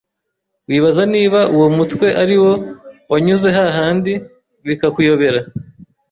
wibaza niba uwo mutwe ariwo wanyuze hahandi bikakuyobera